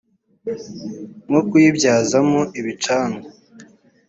nko kuyibyazamo ibicanwa